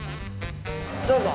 どうぞ。